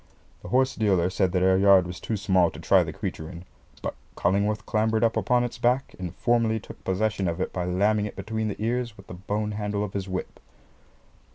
The horse dealer said that our yard was too small to try the creature in; but Cullingworth clambered up upon its back and formally took possession of it by lamming it between the ears with the bone handle of his whip.